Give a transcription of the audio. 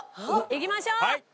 いきましょう！